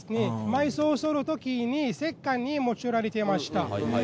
埋葬するときに石棺に用いられていました。